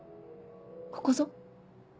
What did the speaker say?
「ここぞ」？